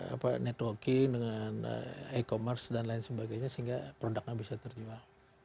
apa networking dengan e commerce dan lain sebagainya sehingga produknya bisa terjual